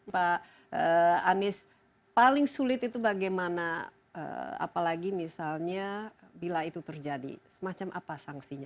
pak anies paling sulit itu bagaimana apalagi misalnya bila itu terjadi semacam apa sanksinya